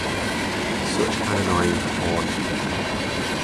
Such an annoying horn.